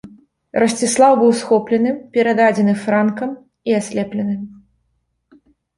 Расціслаў быў схоплены, перададзены франкам і аслеплены.